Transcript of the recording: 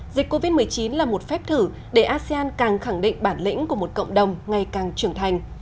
dịch covid một mươi chín là một phép thử để asean càng khẳng định bản lĩnh của một cộng đồng ngày càng trưởng thành